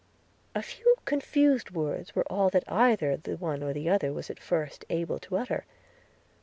A few confused words were all that either the one or the other was at first able to utter.